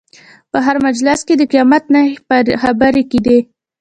په هر مجلس کې د قیامت نښانې خبرې کېدې.